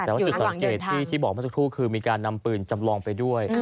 แต่ว่าจุดสังเกตที่บอกเมื่อสักครู่คือมีการนำปืนจำลองไปด้วย